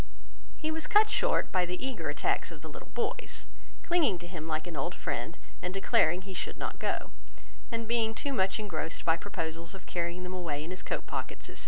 He was cut short by the eager attacks of the little boys, clinging to him like an old friend, and declaring he should not go; and being too much engrossed by proposals of carrying them away in his coat pockets, &c.